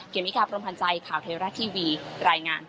เมกาพรมพันธ์ใจข่าวเทราะทีวีรายงาน